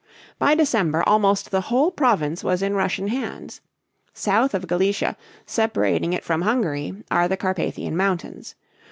By December almost the whole province was in Russian hands. South of Galicia, separating it from Hungary, are the Carpathian Mountains.